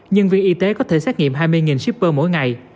nhân viên y tế có thể xét nghiệm hai mươi shipper mỗi ngày